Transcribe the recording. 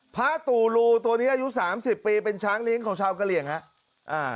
พระตู่รูตัวนี้อายุ๓๐ปีเป็นช้างนิ้งของชาวกะเหลี่ยงครับ